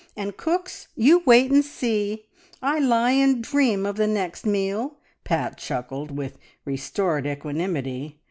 And cooks You wait and see! I lie and dream of the next meal!" Pat chuckled, with restored equanimity.